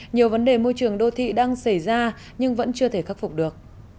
nhiều vấn đề môi trường đô thị đang xảy ra nhưng vẫn chưa thể khắc phục được